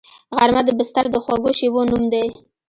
غرمه د بستر د خوږو شیبو نوم دی